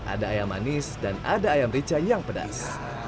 ada ayam manis dan ada ayam rica yang pedas